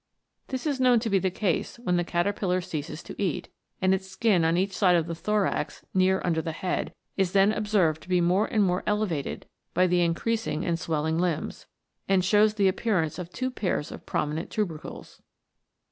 This is known to be the case when the caterpillar ceases to eat, and its skin on each side of the thorax, near under the head, is then observed to be more and more elevated by the increasing and swelling limbs, and shows the appearance of two pairs of prominent tubercles."